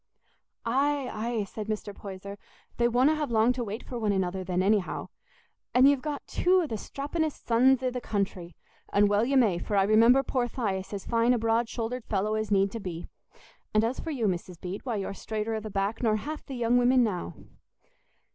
"Aye, aye," said Mr. Poyser; "they wonna have long to wait for one another then, anyhow. And ye've got two o' the strapping'st sons i' th' country; and well you may, for I remember poor Thias as fine a broad shouldered fellow as need to be; and as for you, Mrs. Bede, why you're straighter i' the back nor half the young women now."